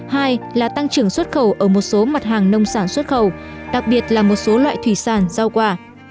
hai là tăng trưởng xuất khẩu ở một số mặt hàng nông sản xuất khẩu đặc biệt là một số loại thủy sản rau quả